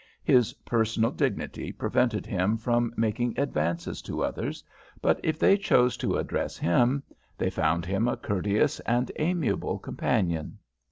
His personal dignity prevented him from making advances to others, but if they chose to address him, they found him a courteous and amiable companion.